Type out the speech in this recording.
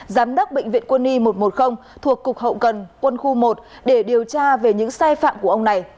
giám đốc bệnh viện quân y một trăm một mươi thuộc cục hậu cần quân khu một để điều tra về những sai phạm của ông này